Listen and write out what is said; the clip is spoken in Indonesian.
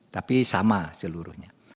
tapi sama seluruhnya